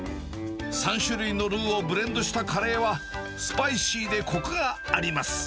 ３種類のルーをブレンドしたカレーは、スパイシーでこくがあります。